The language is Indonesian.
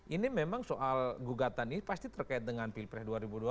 ini memang soal gugatan ini pasti terkait dengan pilpres dua ribu dua puluh